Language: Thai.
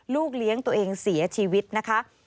ลูกเลี้ยงตัวเองเสียชีวิตนะคะ